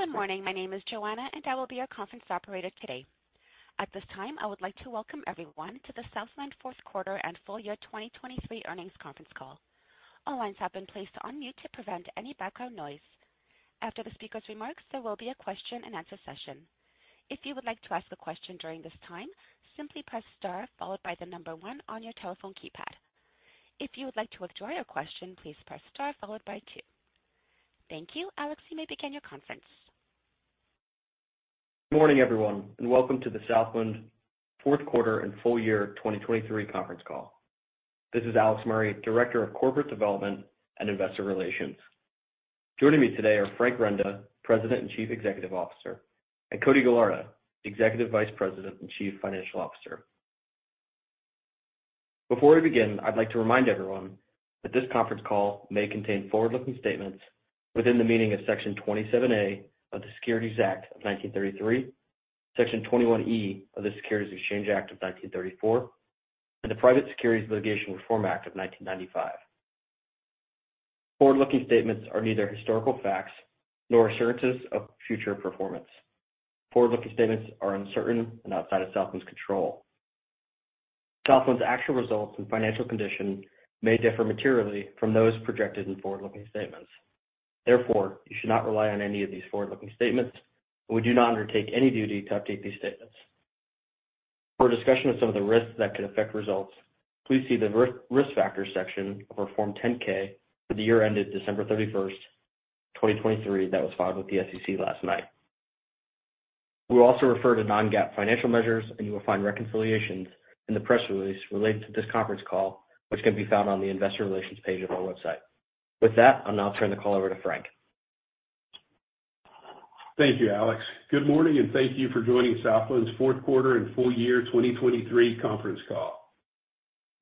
Good morning. My name is Joanna, and I will be your conference operator today. At this time, I would like to welcome everyone to the Southland Fourth Quarter and Full Year 2023 Earnings Conference Call. All lines have been placed on mute to prevent any background noise. After the speaker's remarks, there will be a question-and-answer session. If you would like to ask a question during this time, simply press star followed by the number one on your telephone keypad. If you would like to withdraw your question, please press star followed by two. Thank you. Alex, you may begin your conference. Good morning, everyone, and welcome to the Southland Fourth Quarter and Full Year 2023 Conference Call. This is Alex Murray, Director of Corporate Development and Investor Relations. Joining me today are Frank Renda, President and Chief Executive Officer, and Cody Gallarda, Executive Vice President and Chief Financial Officer. Before we begin, I'd like to remind everyone that this conference call may contain forward-looking statements within the meaning of Section 27A of the Securities Act of 1933, Section 21E of the Securities Exchange Act of 1934, and the Private Securities Litigation Reform Act of 1995. Forward-looking statements are neither historical facts nor assurances of future performance. Forward-looking statements are uncertain and outside of Southland's control. Southland's actual results and financial condition may differ materially from those projected in forward-looking statements. Therefore, you should not rely on any of these forward-looking statements, and we do not undertake any duty to update these statements. For a discussion of some of the risks that could affect results, please see the Risk Factors section of our Form 10-K for the year ended December 31st, 2023, that was filed with the SEC last night. We will also refer to non-GAAP financial measures, and you will find reconciliations in the press release related to this conference call, which can be found on the Investor Relations page of our website. With that, I'm now turning the call over to Frank. Thank you, Alex. Good morning, and thank you for joining Southland's Fourth Quarter and Full Year 2023 Conference Call.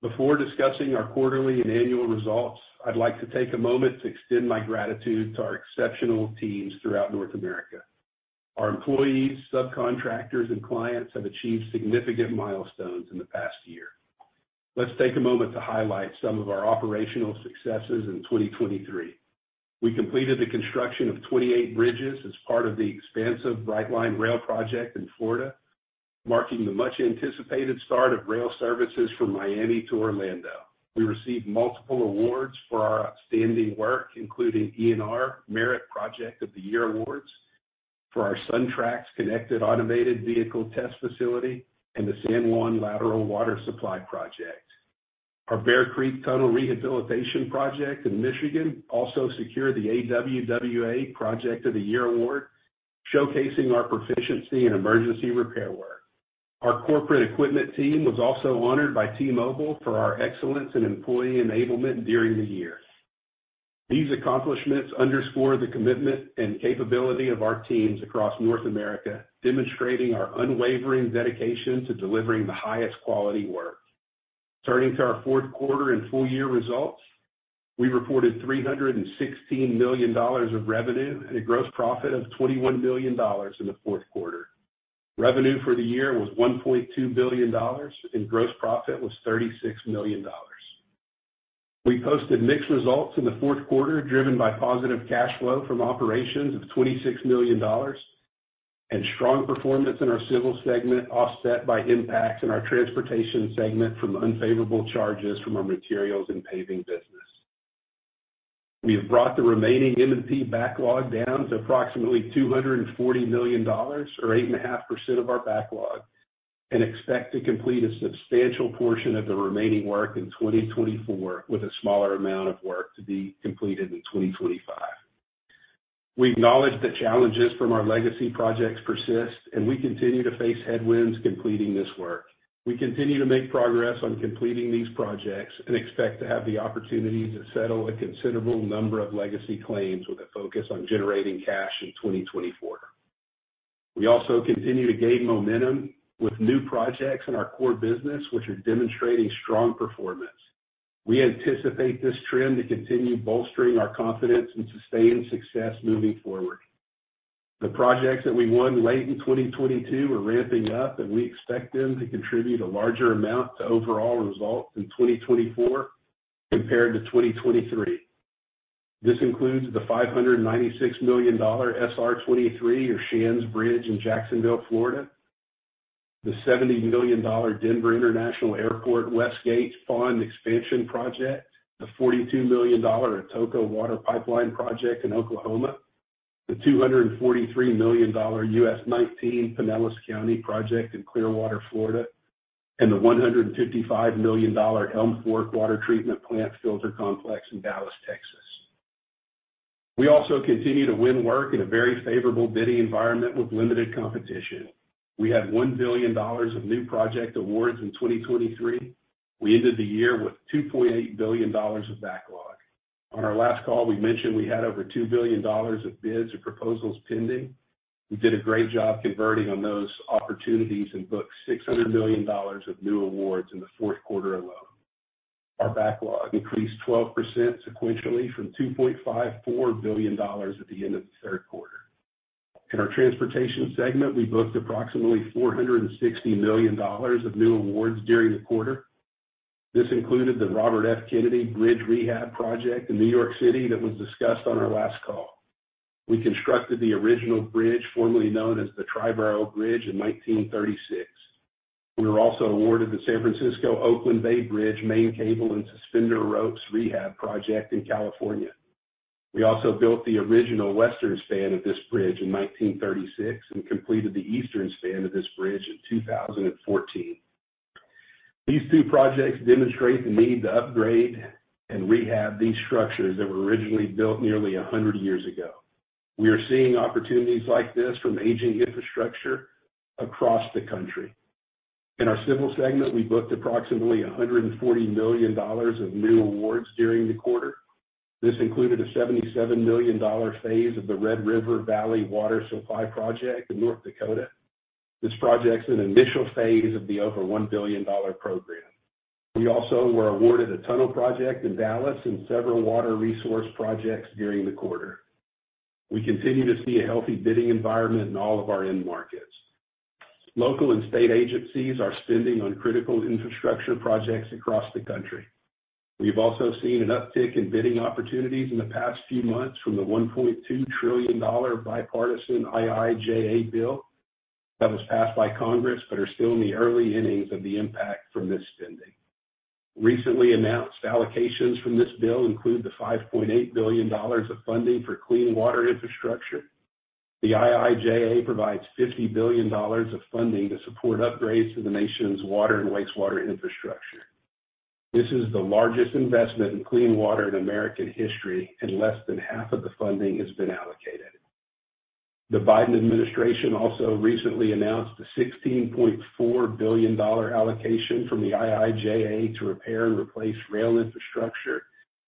Before discussing our quarterly and annual results, I'd like to take a moment to extend my gratitude to our exceptional teams throughout North America. Our employees, subcontractors, and clients have achieved significant milestones in the past year. Let's take a moment to highlight some of our operational successes in 2023. We completed the construction of 28 bridges as part of the expansive Brightline Rail Project in Florida, marking the much-anticipated start of rail services from Miami to Orlando. We received multiple awards for our outstanding work, including ENR Merit Project of the Year awards for our SunTrax Connected Automated Vehicle Test Facility and the San Juan Lateral Water Supply Project. Our Bear Creek Tunnel Rehabilitation Project in Michigan also secured the AWWA Project of the Year award, showcasing our proficiency in emergency repair work. Our corporate equipment team was also honored by T-Mobile for our excellence in employee enablement during the year. These accomplishments underscore the commitment and capability of our teams across North America, demonstrating our unwavering dedication to delivering the highest quality work. Turning to our Fourth Quarter and full year results, we reported $316 million of revenue and a gross profit of $21 million in the Fourth Quarter. Revenue for the year was $1.2 billion, and gross profit was $36 million. We posted mixed results in the Fourth Quarter, driven by positive cash flow from operations of $26 million and strong performance in our civil segment, offset by impacts in our transportation segment from unfavorable charges from our materials and paving business. We have brought the remaining M&P backlog down to approximately $240 million, or 8.5% of our backlog, and expect to complete a substantial portion of the remaining work in 2024, with a smaller amount of work to be completed in 2025. We acknowledge that challenges from our legacy projects persist, and we continue to face headwinds completing this work. We continue to make progress on completing these projects and expect to have the opportunities to settle a considerable number of legacy claims with a focus on generating cash in 2024. We also continue to gain momentum with new projects in our core business, which are demonstrating strong performance. We anticipate this trend to continue bolstering our confidence and sustained success moving forward. The projects that we won late in 2022 are ramping up, and we expect them to contribute a larger amount to overall results in 2024 compared to 2023. This includes the $596 million SR 23, or Shands Bridge in Jacksonville, Florida, the $70 million Denver International Airport Concourse B West Expansion Project, the $42 million Atoka Water Pipeline Project in Oklahoma, the $243 million U.S. 19 Pinellas County Project in Clearwater, Florida, and the $155 million Elm Fork Water Treatment Plant Filter Complex in Dallas, Texas. We also continue to win work in a very favorable bidding environment with limited competition. We had $1 billion of new project awards in 2023. We ended the year with $2.8 billion of backlog. On our last call, we mentioned we had over $2 billion of bids or proposals pending. We did a great job converting on those opportunities and booked $600 million of new awards in the Fourth Quarter alone. Our backlog increased 12% sequentially from $2.54 billion at the end of the Third Quarter. In our transportation segment, we booked approximately $460 million of new awards during the quarter. This included the Robert F. Kennedy Bridge Rehab Project in New York City that was discussed on our last call. We constructed the original bridge, formerly known as the Triborough Bridge, in 1936. We were also awarded the San Francisco-Oakland Bay Bridge Main Cable and Suspender Ropes Rehab Project in California. We also built the original western span of this bridge in 1936 and completed the eastern span of this bridge in 2014. These two projects demonstrate the need to upgrade and rehab these structures that were originally built nearly 100 years ago. We are seeing opportunities like this from aging infrastructure across the country. In our civil segment, we booked approximately $140 million of new awards during the quarter. This included a $77 million phase of the Red River Valley Water Supply Project in North Dakota. This project's an initial phase of the over-$1 billion program. We also were awarded a tunnel project in Dallas and several water resource projects during the quarter. We continue to see a healthy bidding environment in all of our end markets. Local and state agencies are spending on critical infrastructure projects across the country. We have also seen an uptick in bidding opportunities in the past few months from the $1.2 trillion bipartisan IIJA bill that was passed by Congress but are still in the early innings of the impact from this spending. Recently announced allocations from this bill include the $5.8 billion of funding for clean water infrastructure. The IIJA provides $50 billion of funding to support upgrades to the nation's water and wastewater infrastructure. This is the largest investment in clean water in American history, and less than half of the funding has been allocated. The Biden administration also recently announced a $16.4 billion allocation from the IIJA to repair and replace rail infrastructure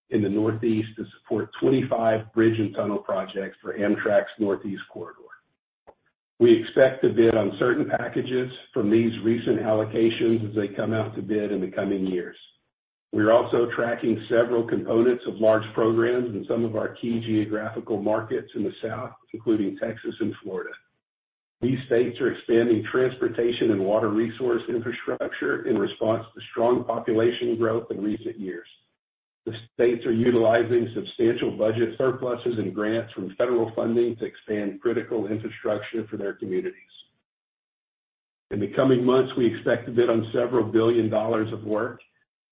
in the Northeast to support 25 bridge and tunnel projects for Amtrak's Northeast Corridor. We expect to bid on certain packages from these recent allocations as they come out to bid in the coming years. We are also tracking several components of large programs in some of our key geographical markets in the South, including Texas and Florida. These states are expanding transportation and water resource infrastructure in response to strong population growth in recent years. The states are utilizing substantial budget surpluses and grants from federal funding to expand critical infrastructure for their communities. In the coming months, we expect to bid on several billion dollars of work.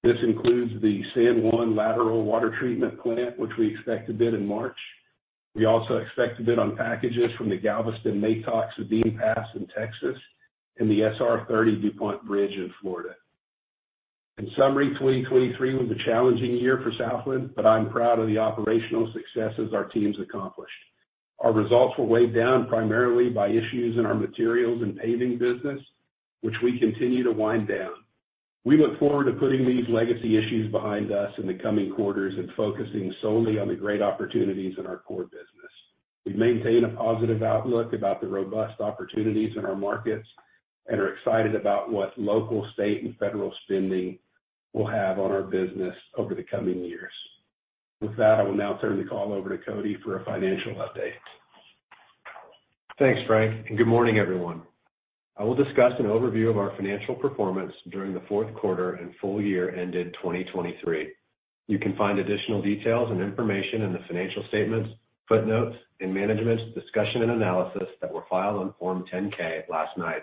This includes the San Juan Lateral Water Treatment Plant, which we expect to bid in March. We also expect to bid on packages from the Galveston, Matagorda, and Sabine Pass in Texas and the SR 30 DuPont Bridge in Florida. In summary, 2023 was a challenging year for Southland, but I'm proud of the operational successes our teams accomplished. Our results were weighed down primarily by issues in our materials and paving business, which we continue to wind down. We look forward to putting these legacy issues behind us in the coming quarters and focusing solely on the great opportunities in our core business. We maintain a positive outlook about the robust opportunities in our markets and are excited about what local, state, and federal spending will have on our business over the coming years. With that, I will now turn the call over to Cody for a financial update. Thanks, Frank, and good morning, everyone. I will discuss an overview of our financial performance during the Fourth Quarter and Full Year ended 2023. You can find additional details and information in the financial statements, footnotes, and management's discussion and analysis that were filed on Form 10-K last night.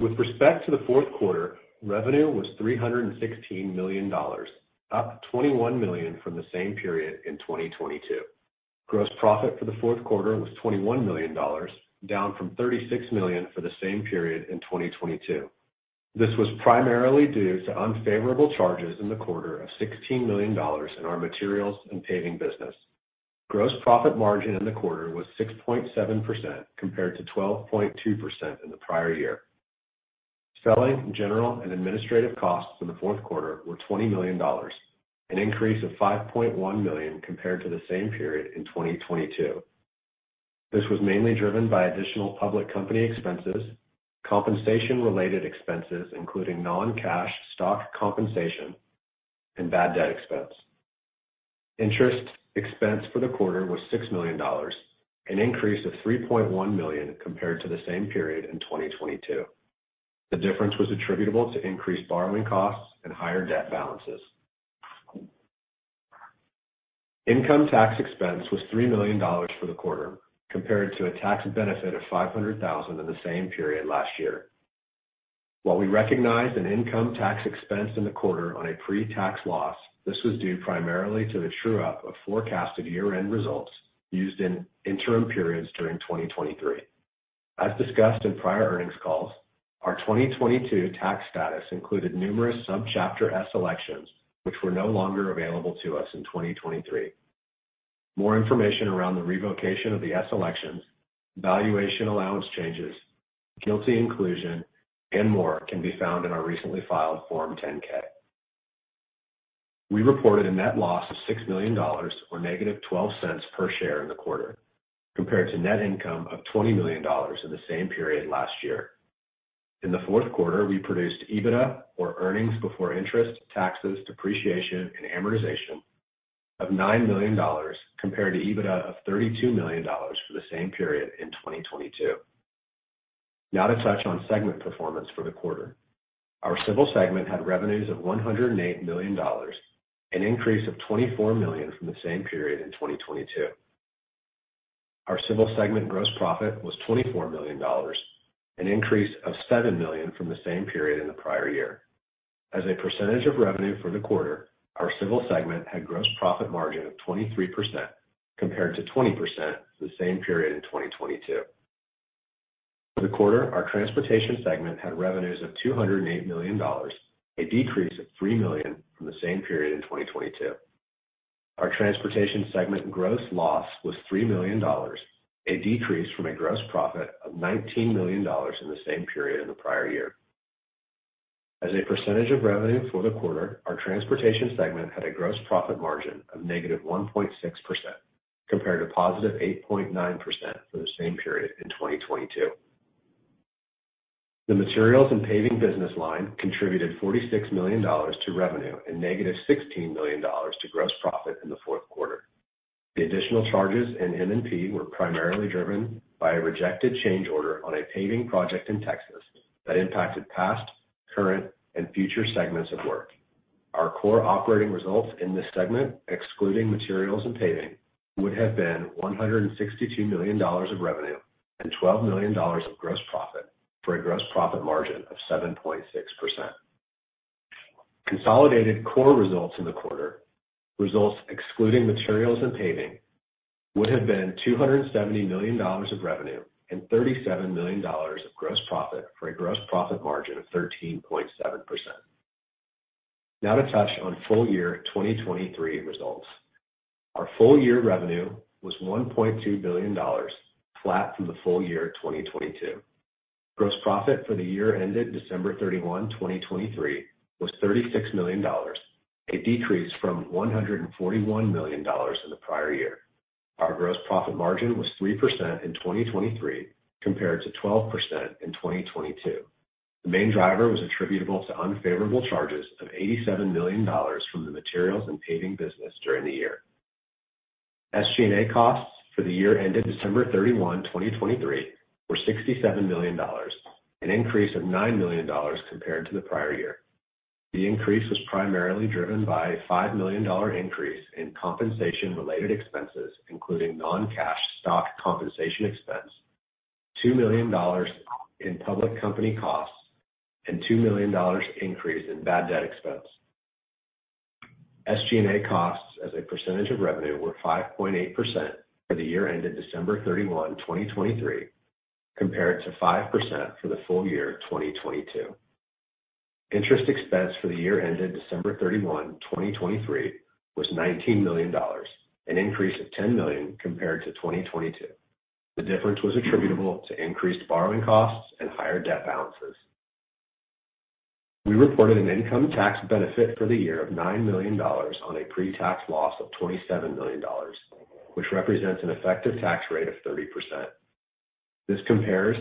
With respect to the Fourth Quarter, revenue was $316 million, up $21 million from the same period in 2022. Gross profit for the Fourth Quarter was $21 million, down from $36 million for the same period in 2022. This was primarily due to unfavorable charges in the quarter of $16 million in our materials and paving business. Gross profit margin in the quarter was 6.7% compared to 12.2% in the prior year. Selling, general, and administrative costs in the Fourth Quarter were $20 million, an increase of $5.1 million compared to the same period in 2022. This was mainly driven by additional public company expenses, compensation-related expenses including non-cash stock compensation, and bad debt expense. Interest expense for the quarter was $6 million, an increase of $3.1 million compared to the same period in 2022. The difference was attributable to increased borrowing costs and higher debt balances. Income tax expense was $3 million for the quarter compared to a tax benefit of $500,000 in the same period last year. While we recognized an income tax expense in the quarter on a pre-tax loss, this was due primarily to the true-up of forecasted year-end results used in interim periods during 2023. As discussed in prior earnings calls, our 2022 tax status included numerous Subchapter S elections, which were no longer available to us in 2023. More information around the revocation of the S election, valuation allowance changes, GILTI, and more can be found in our recently filed Form 10-K. We reported a net loss of $6 million, or -$0.12 per share in the quarter compared to net income of $20 million in the same period last year. In the Fourth Quarter, we produced EBITDA, or earnings before interest, taxes, depreciation, and amortization, of $9 million compared to EBITDA of $32 million for the same period in 2022. Now to touch on segment performance for the quarter. Our civil segment had revenues of $108 million, an increase of $24 million from the same period in 2022. Our civil segment gross profit was $24 million, an increase of $7 million from the same period in the prior year. As a percentage of revenue for the quarter, our civil segment had gross profit margin of 23% compared to 20% for the same period in 2022. For the quarter, our transportation segment had revenues of $208 million, a decrease of $3 million from the same period in 2022. Our transportation segment gross loss was $3 million, a decrease from a gross profit of $19 million in the same period in the prior year. As a percentage of revenue for the quarter, our transportation segment had a gross profit margin of -1.6% compared to +8.9% for the same period in 2022. The materials and paving business line contributed $46 million to revenue and -$16 million to gross profit in the Fourth Quarter. The additional charges in M&P were primarily driven by a rejected change order on a paving project in Texas that impacted past, current, and future segments of work. Our core operating results in this segment, excluding materials and paving, would have been $162 million of revenue and $12 million of gross profit for a gross profit margin of 7.6%. Consolidated core results in the quarter, results excluding materials and paving, would have been $270 million of revenue and $37 million of gross profit for a gross profit margin of 13.7%. Now to touch on full year 2023 results. Our full year revenue was $1.2 billion, flat from the full year 2022. Gross profit for the year ended December 31, 2023, was $36 million, a decrease from $141 million in the prior year. Our gross profit margin was 3% in 2023 compared to 12% in 2022. The main driver was attributable to unfavorable charges of $87 million from the materials and paving business during the year. SG&A costs for the year ended December 31, 2023, were $67 million, an increase of $9 million compared to the prior year. The increase was primarily driven by a $5 million increase in compensation-related expenses, including non-cash stock compensation expense, $2 million in public company costs, and $2 million increase in bad debt expense. SG&A costs as a percentage of revenue were 5.8% for the year ended December 31, 2023, compared to 5% for the Full Year 2022. Interest expense for the year ended December 31, 2023, was $19 million, an increase of $10 million compared to 2022. The difference was attributable to increased borrowing costs and higher debt balances. We reported an income tax benefit for the year of $9 million on a pre-tax loss of $27 million, which represents an effective tax rate of 30%. This compares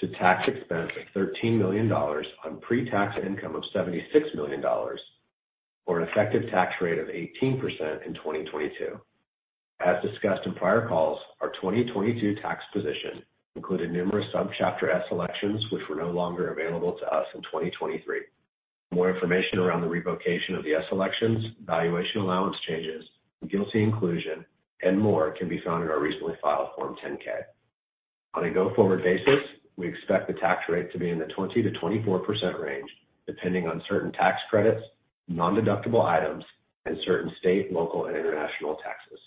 to tax expense of $13 million on pre-tax income of $76 million, or an effective tax rate of 18% in 2022. As discussed in prior calls, our 2022 tax position included numerous Subchapter S elections, which were no longer available to us in 2023. More information around the revocation of the S elections, valuation allowance changes, GILTI, and more can be found in our recently filed Form 10-K. On a go-forward basis, we expect the tax rate to be in the 20%-24% range, depending on certain tax credits, non-deductible items, and certain state, local, and international taxes.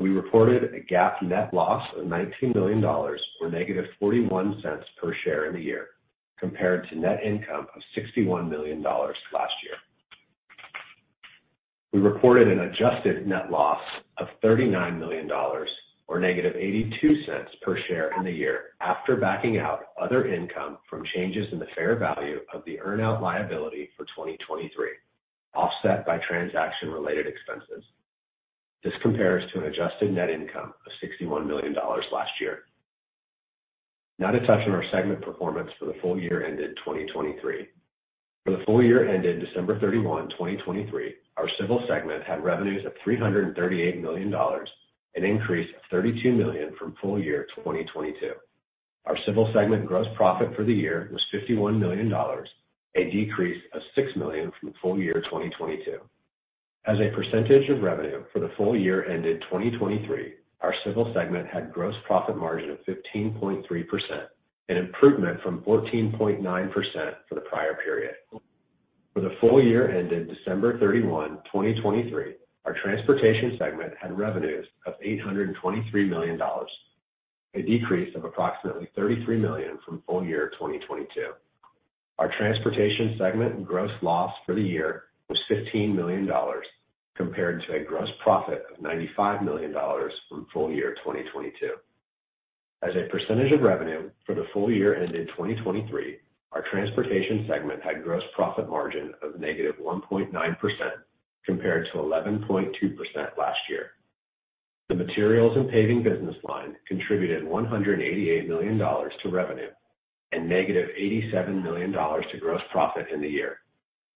We reported a GAAP net loss of $19 million, or -$0.41 per share in the year compared to net income of $61 million last year. We reported an adjusted net loss of $39 million, or -$0.82 per share in the year after backing out other income from changes in the fair value of the earn-out liability for 2023, offset by transaction-related expenses. This compares to an adjusted net income of $61 million last year. Now to touch on our segment performance for the full year ended 2023. For the full year ended December 31, 2023, our civil segment had revenues of $338 million, an increase of $32 million from full year 2022. Our civil segment gross profit for the year was $51 million, a decrease of $6 million from full year 2022. As a percentage of revenue for the full year ended 2023, our civil segment had gross profit margin of 15.3%, an improvement from 14.9% for the prior period. For the full year ended December 31, 2023, our transportation segment had revenues of $823 million, a decrease of approximately $33 million from full year 2022. Our transportation segment gross loss for the year was $15 million compared to a gross profit of $95 million from full year 2022. As a percentage of revenue for the full year ended 2023, our transportation segment had gross profit margin of negative 1.9% compared to 11.2% last year. The materials and paving business line contributed $188 million to revenue and negative $87 million to gross profit in the year.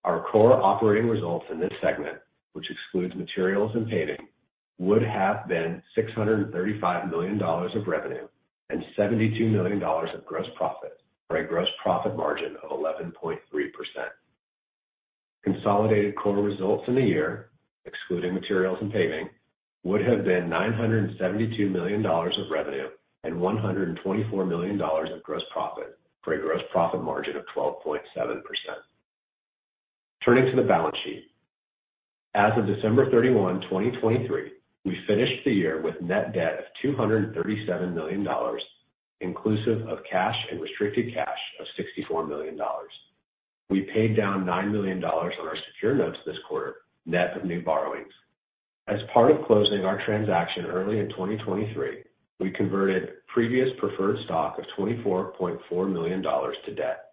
Our core operating results in this segment, which excludes materials and paving, would have been $635 million of revenue and $72 million of gross profit for a gross profit margin of 11.3%. Consolidated core results in the year, excluding materials and paving, would have been $972 million of revenue and $124 million of gross profit for a gross profit margin of 12.7%. Turning to the balance sheet, as of December 31, 2023, we finished the year with net debt of $237 million, inclusive of cash and restricted cash of $64 million. We paid down $9 million on our secure notes this quarter, net of new borrowings. As part of closing our transaction early in 2023, we converted previous preferred stock of $24.4 million to debt.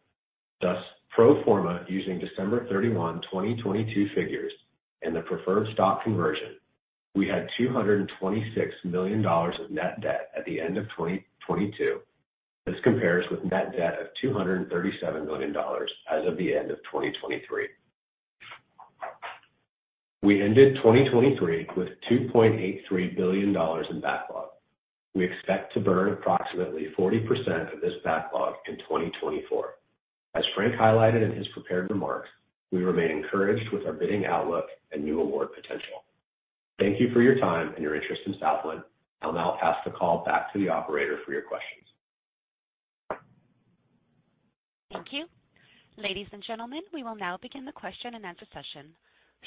Thus, pro forma using December 31, 2022 figures and the preferred stock conversion, we had $226 million of net debt at the end of 2022. This compares with net debt of $237 million as of the end of 2023. We ended 2023 with $2.83 billion in backlog. We expect to burn approximately 40% of this backlog in 2024. As Frank highlighted in his prepared remarks, we remain encouraged with our bidding outlook and new award potential. Thank you for your time and your interest in Southland. I'll now pass the call back to the operator for your questions. Thank you. Ladies and gentlemen, we will now begin the question and answer session.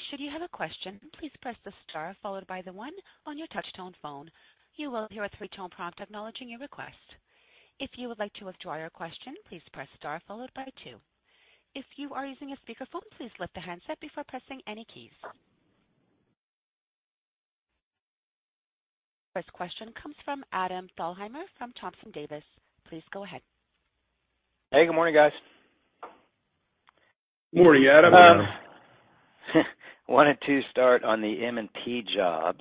Should you have a question, please press the star followed by the one on your touch-tone phone. You will hear a three-tone prompt acknowledging your request. If you would like to withdraw your question, please press star followed by two. If you are using a speakerphone, please lift the handset before pressing any keys. First question comes from Adam Thalhimer from Thompson Davis. Please go ahead. Hey. Good morning, guys. Good morning, Adam. Wanted to start on the M&P jobs.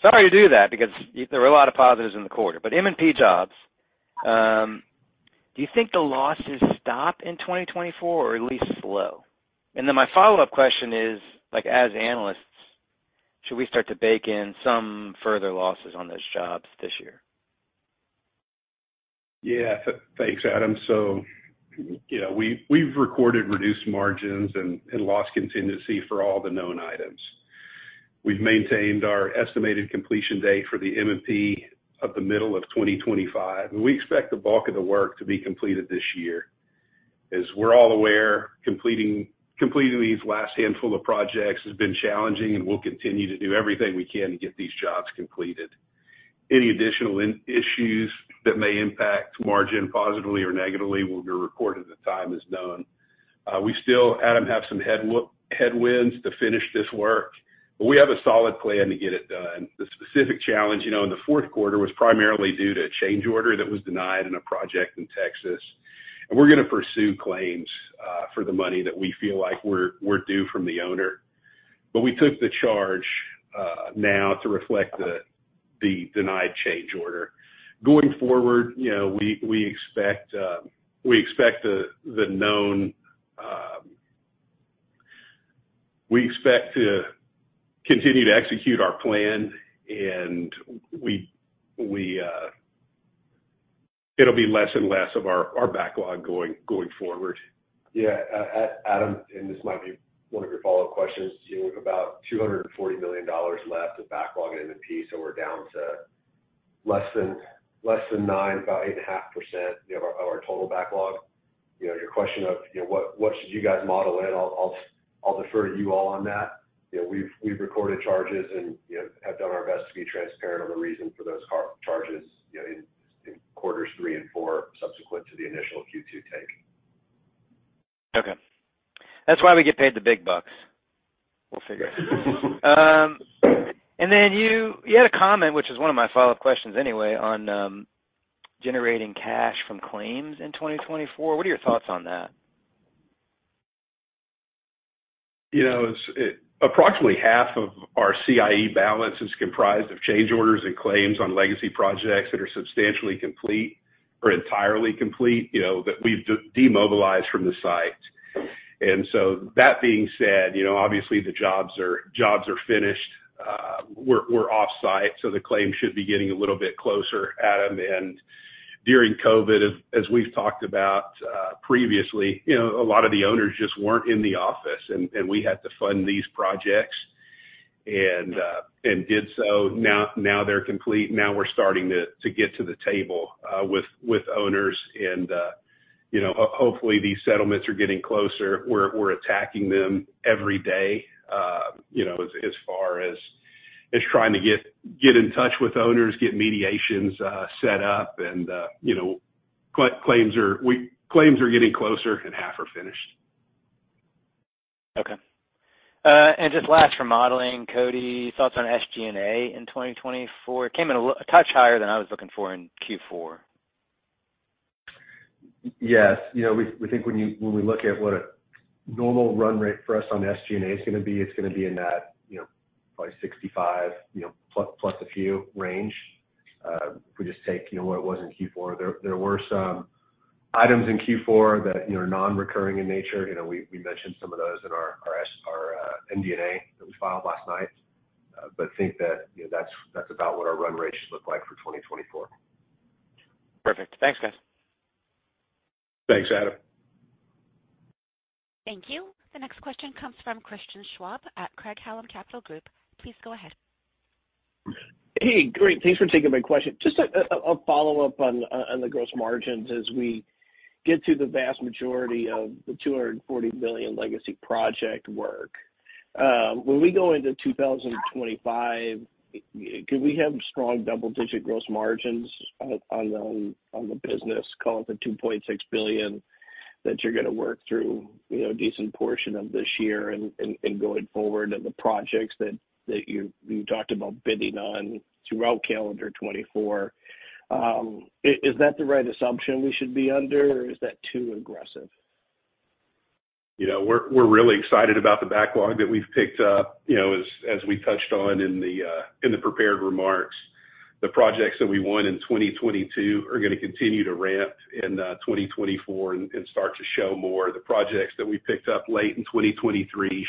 Sorry to do that because there were a lot of positives in the quarter. But M&P jobs, do you think the losses stop in 2024 or at least slow? And then my follow-up question is, as analysts, should we start to bake in some further losses on those jobs this year? Yeah. Thanks, Adam. So we've recorded reduced margins and loss contingency for all the known items. We've maintained our estimated completion date for the M&P of the middle of 2025. We expect the bulk of the work to be completed this year. As we're all aware, completing these last handful of projects has been challenging, and we'll continue to do everything we can to get these jobs completed. Any additional issues that may impact margin positively or negatively will be reported at the time is known. We still, Adam, have some headwinds to finish this work, but we have a solid plan to get it done. The specific challenge in the fourth quarter was primarily due to a change order that was denied in a project in Texas. We're going to pursue claims for the money that we feel like we're due from the owner. We took the charge now to reflect the denied change order. Going forward, we expect to continue to execute our plan, and it'll be less and less of our backlog going forward. Yeah. Adam, and this might be one of your follow-up questions. We have about $240 million left of backlog in M&P, so we're down to less than 9%, about 8.5% of our total backlog. Your question of what should you guys model in, I'll defer to you all on that. We've recorded charges and have done our best to be transparent on the reason for those charges in quarters three and four subsequent to the initial Q2 take. Okay. That's why we get paid the big bucks. We'll figure it out. And then you had a comment, which is one of my follow-up questions anyway, on generating cash from claims in 2024. What are your thoughts on that? Approximately half of our CIE balance is comprised of change orders and claims on legacy projects that are substantially complete or entirely complete that we've demobilized from the site. And so that being said, obviously, the jobs are finished. We're off-site, so the claims should be getting a little bit closer, Adam. And during COVID, as we've talked about previously, a lot of the owners just weren't in the office, and we had to fund these projects and did so. Now they're complete. Now we're starting to get to the table with owners. And hopefully, these settlements are getting closer. We're attacking them every day as far as trying to get in touch with owners, get mediations set up. And claims are getting closer, and half are finished. Okay. Just last from modeling, Cody, thoughts on SG&A in 2024? It came in a touch higher than I was looking for in Q4. Yes. We think when we look at what a normal run rate for us on SG&A is going to be, it's going to be in that probably 65 plus a few range. If we just take what it was in Q4, there were some items in Q4 that are non-recurring in nature. We mentioned some of those in our MD&A that we filed last night, but think that that's about what our run rate should look like for 2024. Perfect. Thanks, guys. Thanks, Adam. Thank you. The next question comes from Christian Schwab at Craig-Hallum Capital Group. Please go ahead. Hey. Great. Thanks for taking my question. Just a follow-up on the gross margins as we get to the vast majority of the $240 million legacy project work. When we go into 2025, could we have strong double-digit gross margins on the business, call it the $2.6 billion that you're going to work through a decent portion of this year and going forward, and the projects that you talked about bidding on throughout calendar 2024? Is that the right assumption we should be under, or is that too aggressive? We're really excited about the backlog that we've picked up. As we touched on in the prepared remarks, the projects that we won in 2022 are going to continue to ramp in 2024 and start to show more. The projects that we picked up late in 2023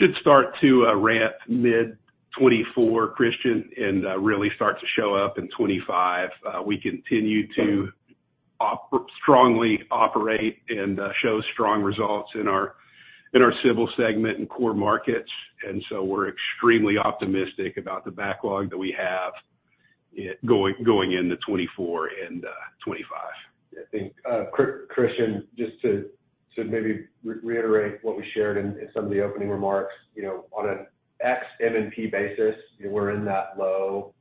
should start to ramp mid-2024, Christian, and really start to show up in 2025. We continue to strongly operate and show strong results in our civil segment and core markets. And so we're extremely optimistic about the backlog that we have going into 2024 and 2025. I think, Christian, just to maybe reiterate what we shared in some of the opening remarks, on an ex-M&P basis, we're in that low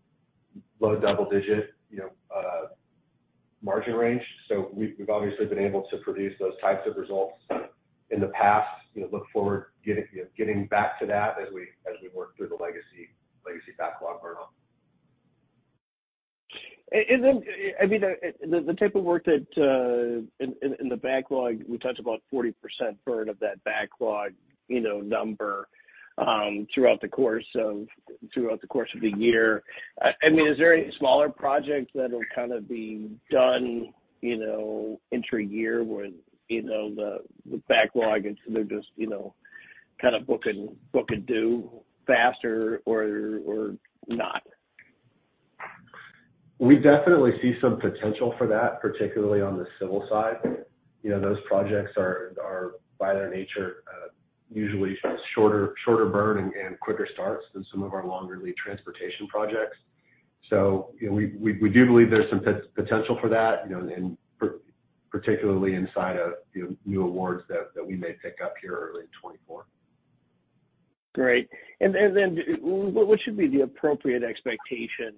double-digit margin range. So we've obviously been able to produce those types of results in the past. Look forward to getting back to that as we work through the legacy backlog burnout. I mean, the type of work that in the backlog, we talked about 40% burn of that backlog number throughout the course of the year. I mean, is there any smaller project that'll kind of be done entry year where the backlog is they're just kind of book and do faster or not? We definitely see some potential for that, particularly on the civil side. Those projects are, by their nature, usually shorter burn and quicker starts than some of our longer lead transportation projects. So we do believe there's some potential for that, particularly inside of new awards that we may pick up here early in 2024. Great. And then what should be the appropriate expectation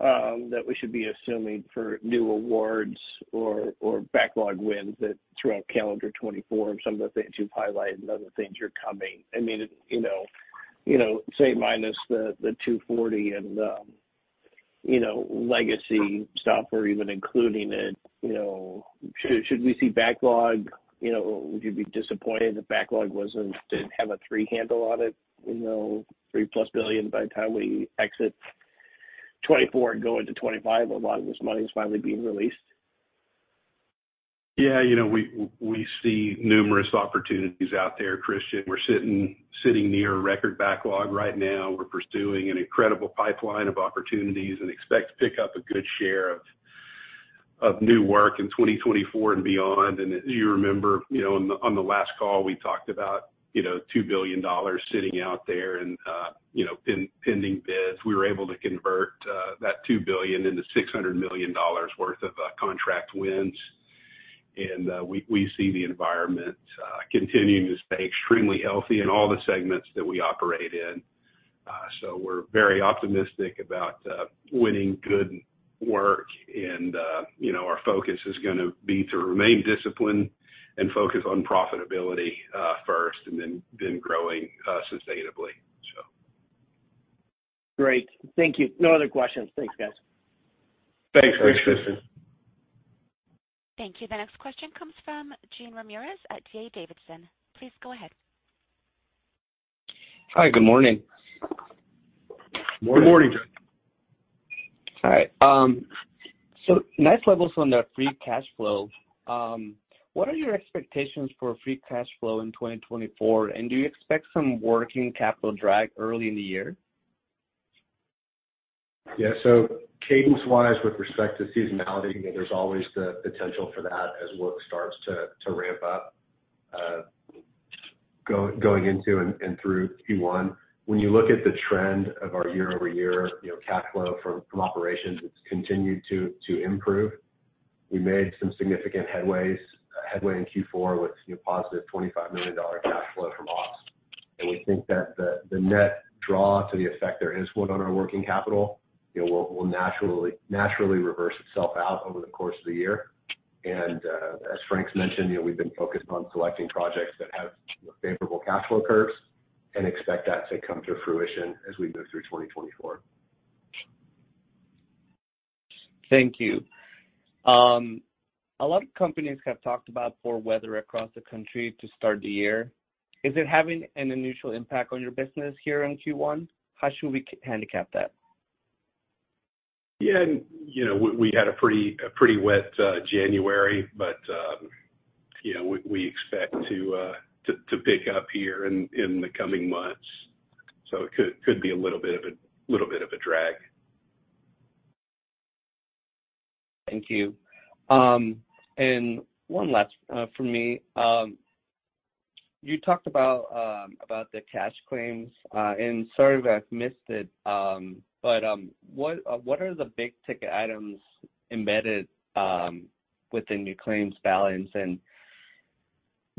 that we should be assuming for new awards or backlog wins throughout calendar 2024 and some of the things you've highlighted and other things you're coming? I mean, say minus the $240 and legacy stuff or even including it, should we see backlog? Would you be disappointed if backlog didn't have a three handle on it, $3+ billion by the time we exit 2024 and go into 2025, a lot of this money is finally being released? Yeah. We see numerous opportunities out there, Christian. We're sitting near a record backlog right now. We're pursuing an incredible pipeline of opportunities and expect to pick up a good share of new work in 2024 and beyond. As you remember, on the last call, we talked about $2 billion sitting out there and pending bids. We were able to convert that $2 billion into $600 million worth of contract wins. We see the environment continuing to stay extremely healthy in all the segments that we operate in. So we're very optimistic about winning good work. Our focus is going to be to remain disciplined and focus on profitability first and then growing sustainably, so. Great. Thank you. No other questions. Thanks, guys. Thanks, Christian. Thank you. The next question comes from Jean Ramirez at D.A. Davidson. Please go ahead. Hi. Good morning. Good morning, John. All right. Next level is on the free cash flow. What are your expectations for free cash flow in 2024? Do you expect some working capital drag early in the year? Yeah. So cadence-wise, with respect to seasonality, there's always the potential for that as work starts to ramp up going into and through Q1. When you look at the trend of our year-over-year cash flow from operations, it's continued to improve. We made some significant headway in Q4 with positive $25 million cash flow from ops. And we think that the net draw to the effect there is one on our working capital will naturally reverse itself out over the course of the year. And as Frank's mentioned, we've been focused on selecting projects that have favorable cash flow curves and expect that to come to fruition as we move through 2024. Thank you. A lot of companies have talked about poor weather across the country to start the year. Is it having an unusual impact on your business here in Q1? How should we handicap that? Yeah. We had a pretty wet January, but we expect to pick up here in the coming months. So it could be a little bit of a little bit of a drag. Thank you. And one last from me. You talked about the cash claims, and sort of I've missed it, but what are the big-ticket items embedded within your claims balance? And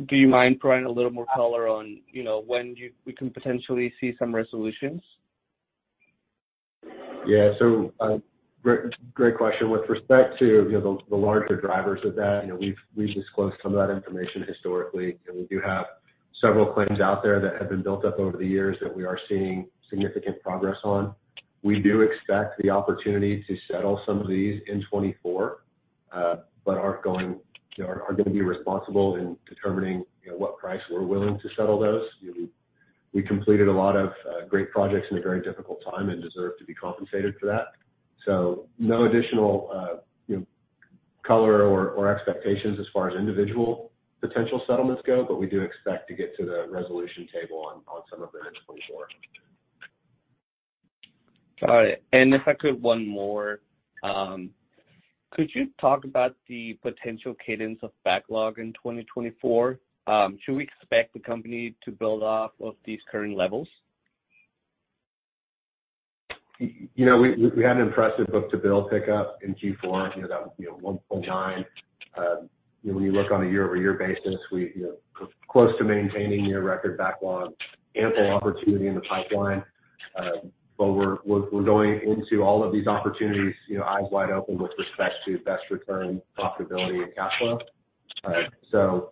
do you mind providing a little more color on when we can potentially see some resolutions? Yeah. So great question. With respect to the larger drivers of that, we've disclosed some of that information historically. We do have several claims out there that have been built up over the years that we are seeing significant progress on. We do expect the opportunity to settle some of these in 2024 but are going to be responsible in determining what price we're willing to settle those. We completed a lot of great projects in a very difficult time and deserve to be compensated for that. So no additional color or expectations as far as individual potential settlements go, but we do expect to get to the resolution table on some of them in 2024. Got it. And if I could, one more. Could you talk about the potential cadence of backlog in 2024? Should we expect the company to build off of these current levels? We had an impressive book-to-bill pickup in Q4. That was 1.9. When you look on a year-over-year basis, we're close to maintaining near-record backlog, ample opportunity in the pipeline. But we're going into all of these opportunities eyes wide open with respect to best return, profitability, and cash flow. So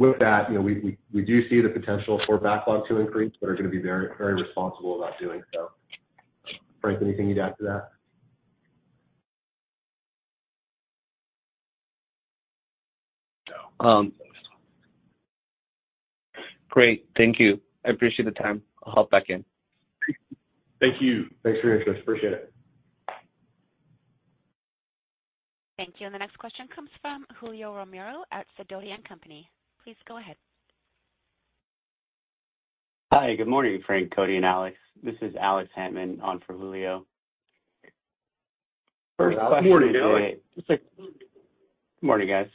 with that, we do see the potential for backlog to increase, but are going to be very responsible about doing so. Frank, anything you'd add to that? Great. Thank you. I appreciate the time. I'll hop back in. Thank you. Thanks for your interest. Appreciate it. Thank you. And the next question comes from Julio Romero at Sidoti & Company. Please go ahead. Hi. Good morning, Frank, Cody, and Alex. This is Alex Hantman on for Julio. First question. Good morning, guys.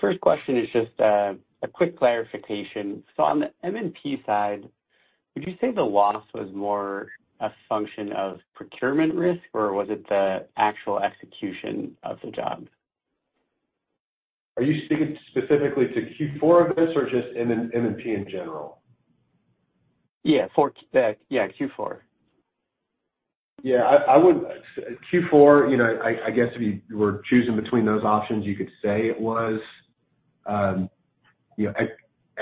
First question is just a quick clarification. So on the M&P side, would you say the loss was more a function of procurement risk, or was it the actual execution of the job? Are you speaking specifically to Q4 of this or just M&P in general? Yeah. Yeah. Q4. Yeah. Q4, I guess if you were choosing between those options, you could say it was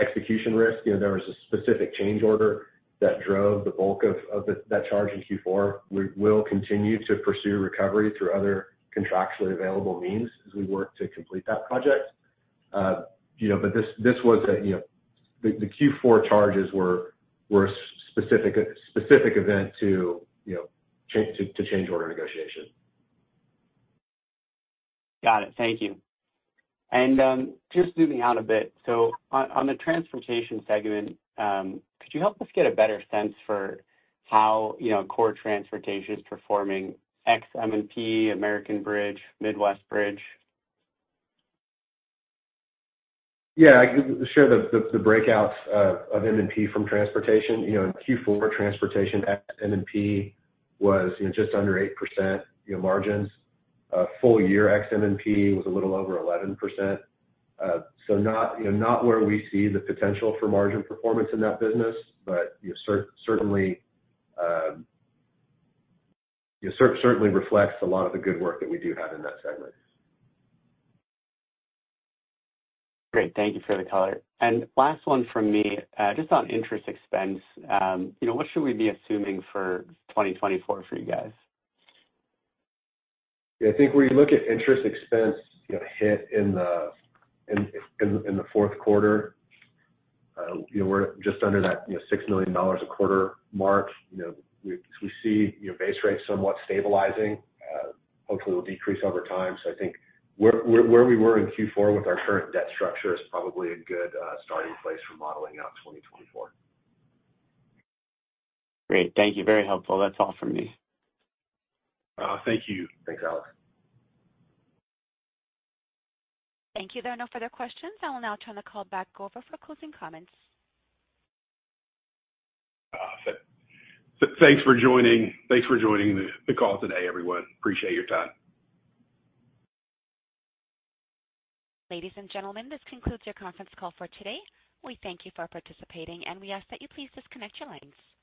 execution risk. There was a specific change order that drove the bulk of that charge in Q4. We will continue to pursue recovery through other contractually available means as we work to complete that project. But this was the Q4 charges were a specific event to change order negotiation. Got it. Thank you. Just zooming out a bit, so on the transportation segment, could you help us get a better sense for how core transportation is performing ex-M&P, American Bridge, Midwest Bridge? Yeah. I could share the breakouts of M&P from transportation. In Q4, transportation ex-M&P was just under 8% margins. Full-year ex-M&P was a little over 11%. So not where we see the potential for margin performance in that business, but certainly reflects a lot of the good work that we do have in that segment. Great. Thank you for the color. Last one from me, just on interest expense, what should we be assuming for 2024 for you guys? Yeah. I think where you look at interest expense hit in the fourth quarter, we're just under that $6 million a quarter mark. We see base rates somewhat stabilizing. Hopefully, it'll decrease over time. So I think where we were in Q4 with our current debt structure is probably a good starting place for modeling out 2024. Great. Thank you. Very helpful. That's all from me. Thank you. Thanks, Alex. Thank you, though. No further questions. I will now turn the call back over for closing comments. Thanks for joining. Thanks for joining the call today, everyone. Appreciate your time. Ladies and gentlemen, this concludes your conference call for today. We thank you for participating, and we ask that you please disconnect your lines.